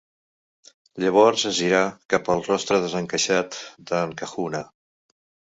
Llavors es girà cap al rostre desencaixat d'en Kahuna.